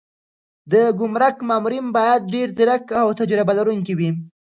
د ګمرک مامورین باید ډېر ځیرک او تجربه لرونکي وي.